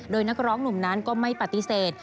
โดยนักร้องหนุ่มนั้นก็ไม่ปฏิเสธ